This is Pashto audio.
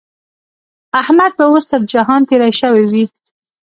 احمد به اوس تر جهان تېری شوی وي.